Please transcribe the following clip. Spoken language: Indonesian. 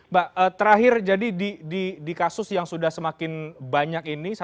mbak terakhir jadi di kasus yang sudah semakin banyak ini